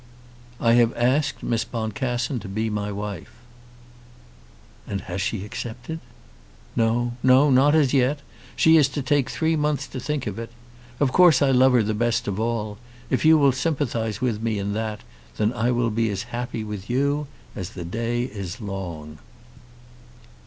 "I have asked Miss Boncassen to be my wife." "And she has accepted?" "No; not as yet. She is to take three months to think of it. Of course I love her best of all. If you will sympathise with me in that, then I will be as happy with you as the day is long."